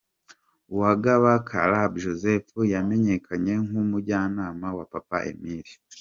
Uwagaba Caleb Joseph yamenyekanye nk’umujyanama wa Papa Emile.